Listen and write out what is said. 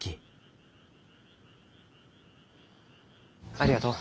ありがとう。